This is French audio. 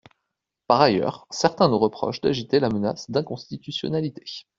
Par ailleurs, certains nous reprochent d’agiter la menace d’inconstitutionnalité.